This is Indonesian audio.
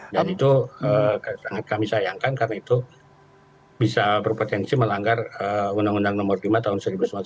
dan itu sangat kami sayangkan karena itu bisa berpotensi melanggar undang undang nomor lima tahun seribu sembilan ratus lima puluh sembilan